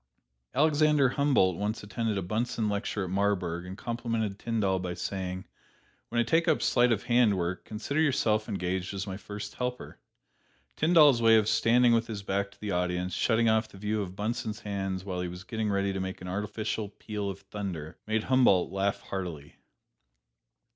Alexander Humboldt once attended a Bunsen lecture at Marburg and complimented Tyndall by saying, "When I take up sleight of hand work, consider yourself engaged as my first helper." Tyndall's way of standing with his back to the audience, shutting off the view of Bunsen's hands while he was getting ready to make an artificial peal of thunder, made Humboldt laugh heartily.